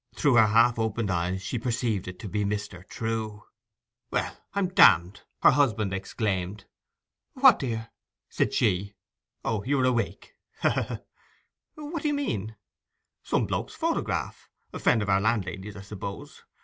Through her half opened eyes she perceived it to be Mr. Trewe. 'Well, I'm damned!' her husband exclaimed. 'What, dear?' said she. 'O, you are awake? Ha! ha!' 'What do you mean?' 'Some bloke's photograph—a friend of our landlady's, I suppose.